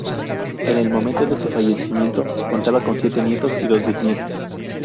En el momento de su fallecimiento contaba con siete nietos y dos bisnietos.